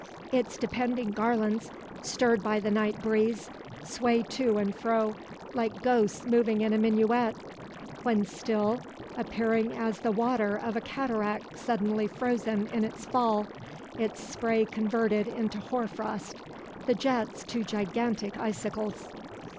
Its depending garlands, stirred by the night breeze, sway to and fro, like ghosts moving in a minuet; when still, appearing as the water of a cataract suddenly frozen in its fall, its spray converted into hoar frost, the jets to gigantic icicles.